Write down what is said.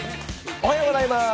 おはようございます。